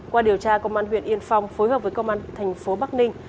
qua điều tra công an huyện yên phong phối hợp với công an thành phố bắc ninh